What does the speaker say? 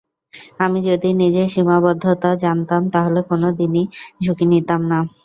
আমি যদি নিজের সীমাবদ্ধতা জানতাম, তাহলে কোনো দিনই ঝুঁকি নিতাম না।